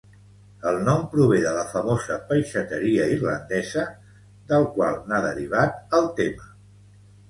El nom prové de la famosa peixatera irlandesa, del qual n'ha derivat el tema.